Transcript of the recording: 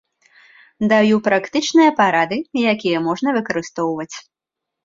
Даю практычныя парады, якія можна выкарыстоўваць.